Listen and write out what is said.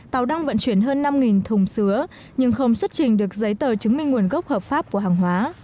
tàu đang vận chuyển hơn năm thùng sứa nhưng không xuất trình được giấy tờ chứng minh nguồn gốc hợp pháp của hàng hóa